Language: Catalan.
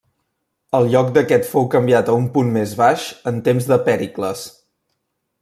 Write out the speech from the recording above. El lloc d'aquest fou canviat a un punt més baix en temps de Pèricles.